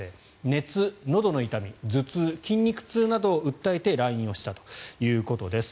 熱、のどの痛み、頭痛筋肉痛などを訴えて来院したということです。